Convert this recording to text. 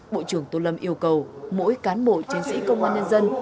bộ trưởng tô lâm yêu cầu mỗi cán bộ chiến sĩ công an nhân dân